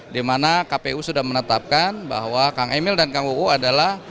dimana kpu sudah menetapkan bahwa kang emil dan kang uu adalah